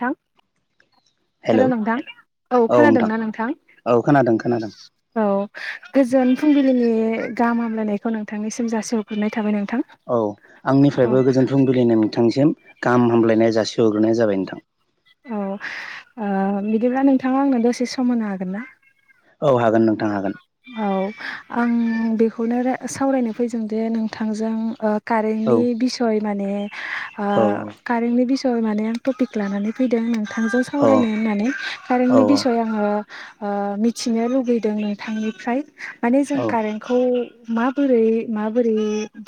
थां hello hello नोंथां औ खोनादोंना नोंथां। औ खोनादों खोनादों औ गोजोन फुंबिलिनि गाहाम हामलायनायखौ नोंथांनिसिम जासिहरग्रोनाय थाबाय नोंथां। औ औ आंनिफ्रायबो गोजोन फुंबिलिनो नोंथांसिम गाहाम हामलायनाय जासिहग्रोनाय जाबाय नोंथां। औ, ओ बिदिब्ला नोंथाङा आंनो दसे सम होनो हागोन ना? औ हागोन नोंथां हागोन। औ आं बेखौनो सावरायनो फैदों जे नोंथांजों औ कारेन्टनि बिसय माने औ कारेन्टनि बिस माने आं टपिक लानानै फैदों नोंथांजों औ सावरायनो होननानै। कारेन्टनि औ बिसय ओ‌ ओ मिथिनो लुबैदों नोंथांनिफ्राय, माने जों औ कारेन खौ माबोरै माबोरै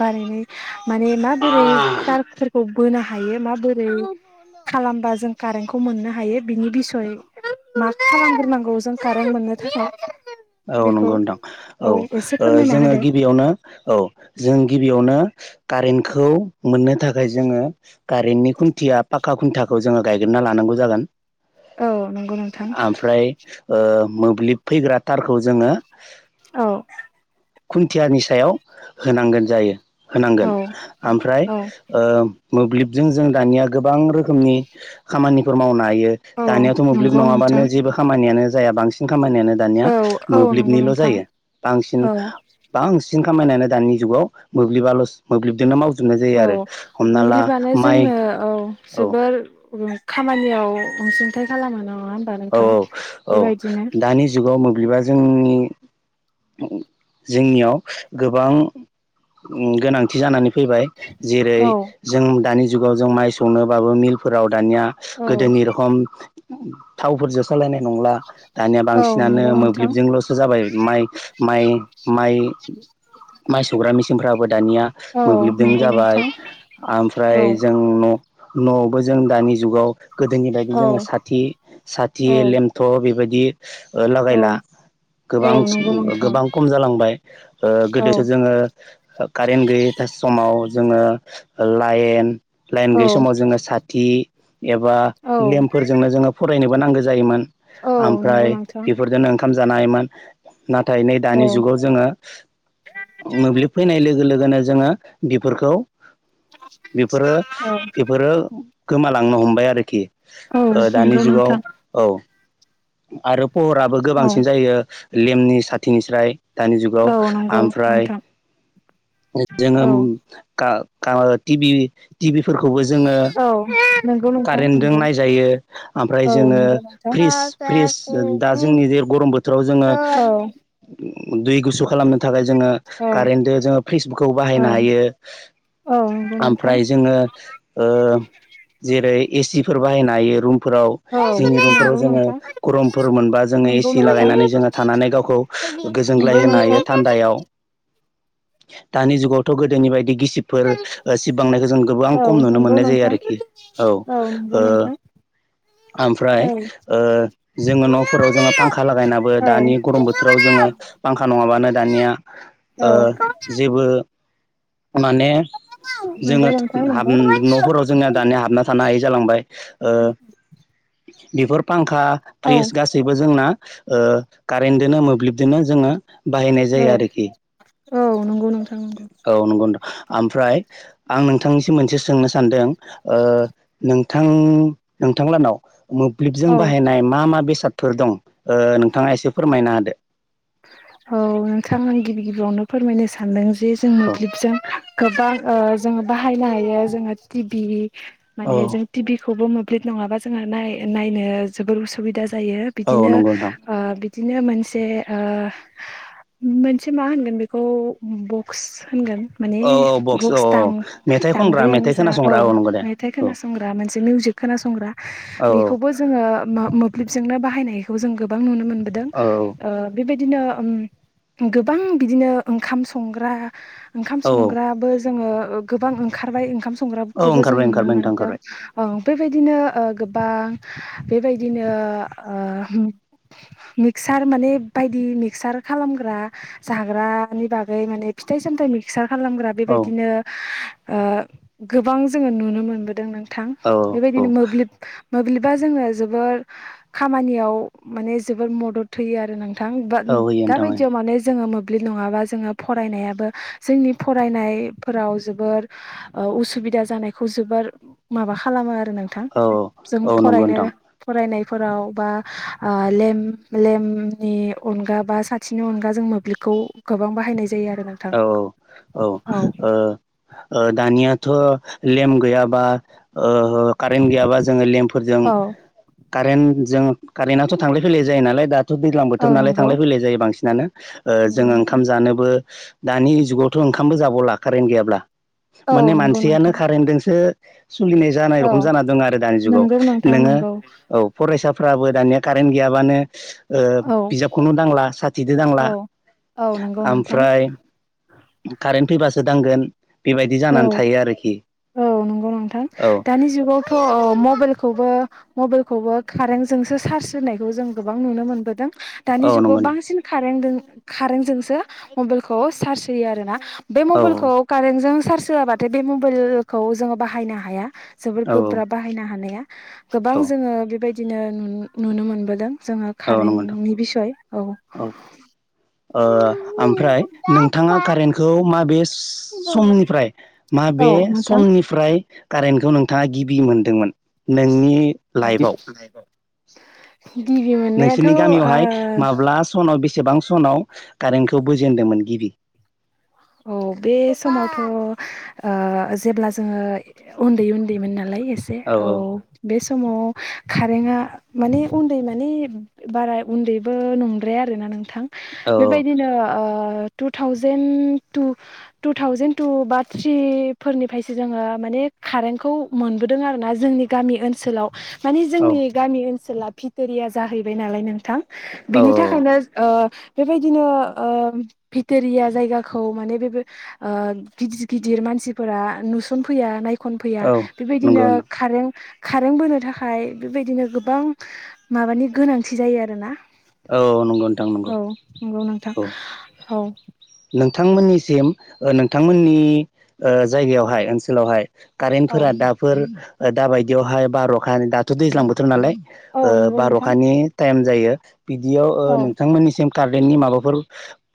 बानायनाय माने माबोरै बोनो हायो माबोरै खालामबा जों कारेन्टखौ मोननो हायो बिनि बिसय मा खालामग्रोनांगौ जों कारेन्ट मोननो थाखाय औ बेखौ नंगौ नथां औ एसे फोरमायना जोङो होदो गिबियावनो औ जों गिबियावनो कारेन्टखौ मोननो थाखाय जोङो कारेन्टनि खुन्थिया पाखा खुन्थाखौ जोङो गायग्रोनना लानांगौ जागोन। औ नंगौ नोंथां ओमफ्राय‌ओ मोब्लिब फैग्रा थारखौ जोङो औ। खुन्थियानि सायाव होनांगोन जायो औ होनांगोन। ओमफ्राय औ ओ मोब्लिबजों जों दानिया गोबां रोखोमनि खामानिफोर मावनो हायो, औ दानियाथ' मोब्लिब नंगौ नोंथां नङाबानो जेबो खामानियानो जाया बांसिन खामानियानो दानि औ औ नंगौ मोब्लिबनिल' नोंथां जायो बांसिन, औ बां खामानियानो दानि जुगाव मोब्लिब मोब्लिबजोंनो माव औ मोब्लिबानो जोंनो औ औ जोबोर खामानियाव अनसुंथाइ खालामो नामा औ औ औ दानि जुगाव मोब्लिबा जोंनि जोंनियाव गोबां गोनांथि जानानै फैबाय जेरै औ जों दानि जुगाव जों माइ संनोबाबो मिलफोराव दानिया औ गोदोनि रखम थावफोरजों सालायनाय नंला दानिया औ बांसिनानो नंगौ नोंथां मोब्लिबजोंल' जाबाय माइ माइ माइ माइ सौग्रा मेचिनफ्राबो दानिया औ मोब्लिबदों नंगौ जाबाय नोंथां औ ओमफ्राय जों न' न'आवबो जों दानि जुगाव गोदोनि बायदि औ जोङो साथि साथि औ लेमथ' बेबायदि औ लागायला। औ गोबां नंगौ नोंथां गोबां खम जालांबाय औ गोदोसो जोङो कारेन्ट गैयै समाव जोङो लाइन लाइन औ गैयि समाव जोङो साथि एबा औ लेम्पफोरजोंनो जोङो फरायनोबो नांगौ जायोमोन औ नंगौ ओमफ्राय नोंथां बेफोरजों आं ओंखाम‌ जानो हायोमोन नाथाय नै औ दानि जुगाव जोङो मोब्लिब फैनाय लोगो लोगोनो जोङो बेफोरखौ बेफोरो औ बेफोरो गोमालांनो हमबाय आरोखि औ दानि नंगौ जुगाव नोंथां औ। आरो पहराबो औ गोबांसिन जायो लेमनि साथिनिस्राय दानि जुगाव औ नंगौ ओमफ्राय नोंथां जोङो औ खाम टि बि टिभिफोरखौबो जोङो औ नंगौ नोंथां कारेन्टजों नंगौ नायजायो ओमफ्राय जोङो दा फ्रिस दा जोंनि जे गरम बोथोराव जोङो औ दै गुसु खालामनो थाखाय जोङो कारेदो जोंङो फेसबुकखौ औ बाहायनो हायो औ नंगौ नोंथां आमफ्राय जोङो ओ जेरै एसिफोर बाहायनो हायो रुमफोराव औ जोंनि रुमफोराव नंगौ जोङो नोंथां गरमफोर मोनबा जोङो नंगौ एसि नोंथां लागायनानै जोङो थानानै गावखौ गोजोनग्लाय नंगौ होनो हायो नोंथां थान्दायाव। दानि जुगावथ' गोदोनि बायदि गिसिब फोर सिबांनायखौ जों गोबां औ खम नुनो नंगौ मोननाय जायो नोंथां आरोखि औ। नंगौ नोंथां औ औ ओमफ्राय ओ जोङो न'फोराव जोङो फांखा लागायनाबो दानि गरम बोथोराव जोङो फांखा नङाबानो दानिया ओ औ जेबो माने नंगौ जोङो नोंथां नंगौ न'फोराव जोंना दानिया हाबना थानो हायि जालांबाय बेफोर फांखा औ फ्रिज गाससिबो बो जोंना ओ कारेन्टजोंनो मोब्लिबजोंनो जोङो बाहायनाय जायो आरोखि। औ नंगौ नोंथां नंगौ। औ नंगौ आओमफ्राय आं नोंथांनिसिम मोनसे सोंनो सानदों ओ नोंथांलानाव मोब्लिबजों औ बाहायनाय मा मा बेसादफोर दं नोंथाङा एसे फोरमायनो हादो। औ नोंथां आं गिबि गिबियावनो फोरमायनो सानदों जे जों मोब्लिब जों गोबां जोङो बाहायनो हायो जोङो टि भि औ माने जों टिभि खौबो मोब्लिब नङाबा जोङो नाय नायनो जोबोर उसुबिदा जायो औ बिदिनो नंगौ नोंथां बिदिनो मोनसे ओ मोनसे मा होनगोन बेखौ बक्स होनगोन माने औ औ बक्स औ बुक्स औ दाम मेथाइ खनग्रा दामग्रायानो मेथाइ जा औ खोनासंग्रा नंगौ दे मेथाइ औ खोनासंग्रा मोनसे मिउजिक खोनासंग्रा औ औ बेखौबो। जोङो मोब्लिबजोंनो बाहायनायखौ जों गोबां नुनो मोनबोदों। औ औ ओ बेबायदिनो गोबां बिदिनो ओंखाम संग्रा ओंखाम औ संग्राबो जोङो गोबां ओंखारबाय ओंखाम औ संग्राखौबो जों ओंखारबाय नुनो ओंखारबाय नोंथां मोनदों। ओंखारबाय बेबायदिनो गोबां बेबायदिनो मिक्सार माने बायदि मिक्सार खालामग्रा जाग्रानि बागै माने फिथाइ सामथाय मिक्सार खालामग्रा। औ बेबायदिनो गोबां जोङो नुनो मोनबोदों नों थां औ औ औ बेबायदिनो मोब्लिब मोब्लिबा जोंनो जोबोर खामानियाव माने जोबोर मदद होयो आरो। होयो दा नोंथां बायदियाव माने जोङो मो ब्लिब नङाबा जोङो फरायनायाबो जोंनि फरायनायफोराव जोबोर उसुबिदा जानायखौ जोबोर माबा खालामो आरो नोंथां औ जों औ नंगौ फरायनो नोंथां फरायनायफोराव बा ल लेम नि अनगा बा साथिनि अनगा जों मोब्लिबखौ गोबां बाहायनाय ज औ औ औ। दानियाथ' लेम गैयाबा कारेन्ट गैयाबा जोङो लेम्पफोरजों औ कारेन्टजों कारेन्टआथ' थांलाय फैलाय जायो नालाय दा दैज्लां औ बोथोर नालाय नंगौ थांलाय फैलाय जायो बांसिनानो नंगौ जोङो नोंथां ओंखाम जानोबो दानि जुगावथ' ओंखामबो जाबावला कारेन्ट गैयाब्ला औ माने नंगौ मानसियानो नोंथां कारेन्टजोंसो सोलिनाय जानाय औ रखम जाना दङ आरो दानि जुगाव नंगौ नोंथां नोङो नंगौ औ फरायसाफ्राबो दानिया कारेन्ट गैयाबानो औ बिजाबखौनो दांला साथिदो दांला औ औ नंगौ नोंथां ओमफ्राय कारेन्ट फैबासो दांगोन। बेबायदि औ जानानै थायो आरोखि औ नंगौ नोंथां औ दानि जुगावथ' मबाइलखौबो मबाइलखौबो कारेन्टजोंसो चार्ज होनायखौ जों गोबां नुनो मोनबोदों। दानि औ जुगाव नंगौ बांसिन कारेन्जों कारेन्टजोंसो मबाइलखौ चार्ज होयो आर ना। बे औ मबाइलखौ कारेन्टजों सार्ज होआबाथाय बे मबाइलखौ जोङो बाहायनो हाया। जोबोर औ गोब्राब बाहायनो हानाया गोबां औ जोङो बेबायदिनो नुनो मोनबोदों जोङो औ नंगौ नोंथां कारेन्टनि बिसय औ औ ओमफ्राय नोंथाङा कारेन्टखौ माबे समनिफ्राय मााबे नोंथां समनिफ्राय कारेन्टखौ नोंथाङा गिबि मोनदोंमोन नोंनि लाइफआव गिबि मोननायाथ' नोंसोरनि ओ गामियावहाय माब्ला सनाव बेसेबां सनाव कारेन्टखौ बोजेनदोंमोन गिबि? औ बे समावथ' जेब्ला जोङो उन्दै उन्दैमोन नालाय एसे औ बे समाव कारेन्टआ माने उन्दै माने बारा उन्दैबो नंद्राया आरोना नोंथां। औ बेबायदिनो two thousand two two thousand two बा थ्रि फोरनिफ्रायसो जोङो माने कारेन्टखौ मोनबोदों आरोना जोंनि गामि ओनसोलाव। माने औ जोंनि गामि ओनसोला भिथोरिया जाहैबाय नालाय नोंथां। औ औ बिनि थाखायनो बेबायदिनो भिथोरिया जायगाखौ खौ माने बे गिदिर गिदिर मानसिफोरा नुसनफैया खनफैया औ नंगौ बेबायदिनो नोंथां कारेन्ट कारेन्ट बोनो थाखाय बेबायदिनो गोबां माबानि गोनांथि जायो आरोना औ नंगौ नोंथां नंगौ औ नंगौ नोंथां औ औ नोंथांमोननिसिम नोंथांमोननि जायगायावहाय ओनसोलावहाय कारेन्टफोरा दाफोर दााबायदियावहाय बार'खा दाथ' दैज्लां बोथोर नालाय औ नंगौ नोंथां बार'खानि टाइम जायो बिदियाव औ नोंथांमोननिसिम कारलेन्टनि माबाफोर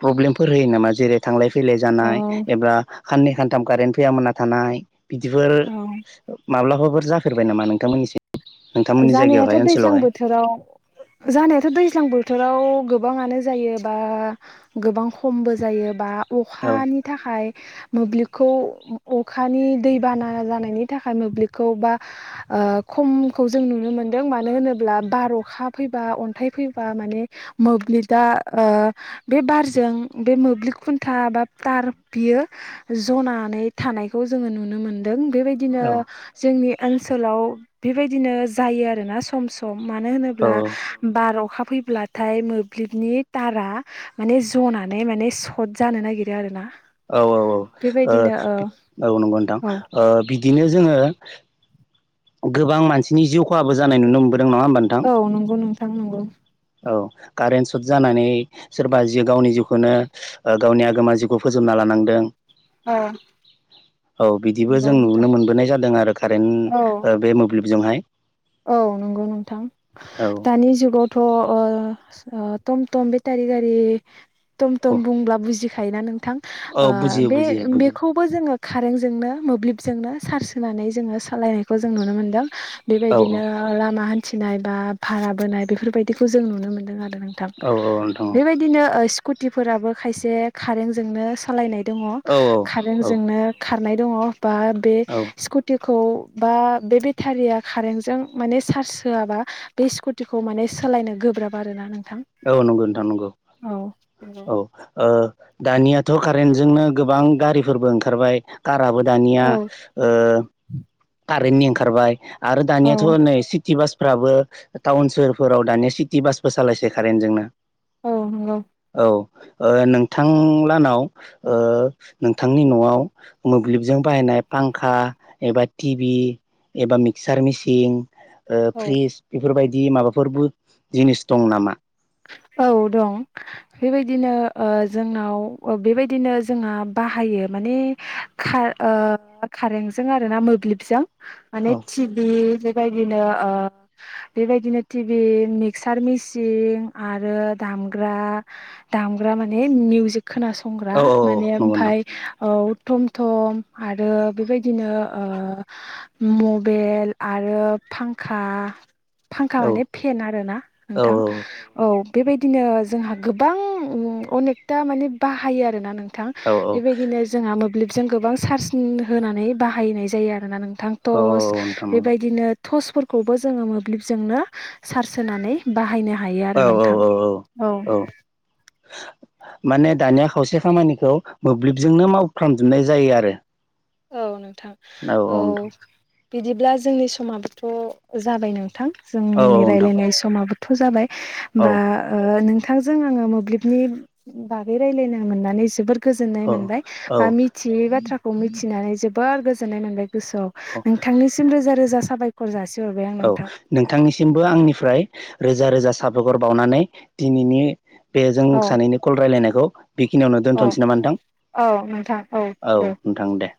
प्रब्लेमफोर होयो नामा जेरै थांलाय फैलाय औ जानाय एबा खाननै खानथाम कारेन्ट फैयामोना थानाय बिदिफोर माब्लाबाफोर जाफेरबाय नामा नोंथांमोननिसि जानायाथ' दैज्लां बोथोराव जानायाथ' दैज्लां बोथोराव गोबाङानो जायो बा गोबां खमबो जायो बा औ अखानि थाखाय मोब्लिबखौ अखानि दैबाना जानायनि थाखाय मोब्लिबखौ बा आ खम खौ जों नुनो मोन्दों मानो होनोब्ला बार अखा फैबा अन्थाइ फैबा माने मोब्लिबा ओ बे बारजों बे मोब्लिब खुन्था बा थार बियो जनानै थानायखौ जोङो नुनो मोनदों बेबाय बिदिनो औ जोंनि ओनसोलाव बेबायदिनो जायो आरोना सम सम मानो औ होनोब्ला बार अखा फैब्लाथाय मोब्लिबनि थारा माने जनानै माने सत जानो नागिरो आरो ना। औ औ औ औ नंगौ नोंथां बिदिनो जोङो गोबां मानसिनि जिउ खहाबो जानाय नुनो मोनबोदों नङा होमबा नोंथां औ नंगौ नोंथां नंगौ। औ कारेन्ट सट जानानै सोरबा जि गावनि जिउखौनो गावनि आगोमा जिउखौ फोजोबना लानांदों। औ औ बिदिबो नंगौ जों नोंथां नुनो मोनबोनाय जादों आरो औ कारेन्ट ओ बे मोब्लिबजोंहाय औ नंगौ नोंथां औ दानि जुगाव थ टम टम बेटारि गारि टम औ टम बुंब्ला बुजि खायोना नोंथां औ बुजियो बे बुजियो बुजियो बेखौ जोंङो कारेन्ट जोंनो मोब्लिब जोंनो सार्स होनानै जोंङो सालायनायखौ जों नुनो मोनदों। औ बिदिनो लामा हान्थिनाय बा भारा बोनाय बेफोरबायदिखौ जों नुनो मोनदों आरो। नोंथां औ औ नोंथां बेबायदिनो स्कुटिफोराबो खायसे कारेन्टजोंनो सालायनाय दङ औ औ औ कारेन्टजोंनो खारनाय दङ बा बे औ स्कु टिखौ बा बे बेटारिया कारेन्ट जों माने चार्ज होआबा बे स्कुटिखौ माने सोलायनो गोब्राब आरोना नोंथां‌। औ नंगौ नोंथां नंगौ औ दानियाथ' कारेन्टजोंनो गोबां गारिफोरबो ओंखारबाय काराबो दानिया औ ओ कारेन्टनि ओंखारबाय आरो औ दानियाथ' नै सिटि बासफ्राबो टाउन सोहोरफोराव दानिया सिटि बासबो सालायसै कारेन्ट जोंनो। औ नंगौ औ नोंथांलानाव ओ नोंथांनि न'आव मोब्लिबजों बाहायनाय फांखा एबा टिभि एबा मिक्सार मेसिन फ्रिज बेफोरबायदि माबाफोरबो जिनिस दं नामा? औ दं बेबायदिनो जोंनाव बेबायदिनो जोंहा बाहायो माने खा ओ खारेन्टजों आरो ना मोब्लिबजों माने औ टिभि बेबायदिनो बेबायदिनो टिभि मिक्सार मेसिन आरो दामग्रा दामग्रा माने मिउजिक खोनासं संग्रा औ औ माने नंगौ ओमफाय औ थम थम आरो बेबायदिनो मबेल आरो फांखा फांखा नोंथां औ माने फेन आरो ना औ नोंथां। औ बेबायदिनो जोंहा गोबां अनेकथा माने बाहायो आरोना नोंथां। औ बेबायदिनो जोंहा मोब्लिबजों गोबां चार्ज होनानै बाहायनाय जायो आरोना नों थां औ टस औ नोंथां नंगौ बेबायदिनो टर्चफोरखौबो जोङो मोब्लिबजोंनो सार्ज होनानै बाहायनो हायो। औ नोंथां औ औ माने दानिया खावसे खामानिखौ मोब्लिबजोंनो मावफ्रामजोबनाय जायो आरो औ नोंथां औ। बिदिब्ला जोंनि समाबोथ' जाबाय नोंथां औ जोंनि नोंथां रायलायनाय समाबो थ' जाबाय औ बा नोंथांजों आङो मोब्लिबनि बागै रायलायनो मोननानै जोबोर गोजोननाय औ मोनबाय बा मिथियै बाथ्राखौ मिथिनानै जोबोर गोजोननाय मोनबाय। गोसोआव औ नोंथांनिसिम रोजा रोजा साबायखर जासिहरबाय आं औ नोंथां। नोंथांनिसिमबो आंनिफ्राय रोजा रोजा साबायखर बावनानै दिनैनि बे जों औ सानैनि कल रायजलायनायखौ बेखिनियावनो औ दोनथ'नोसै नामा नोंथां? औ नोंथां औ। दे औ नोंथां दे